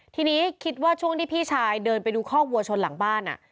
ทีนี้คิดว่าช่วงที่พี่ชายเดินไปดูคอกวัวชนหลังบ้าน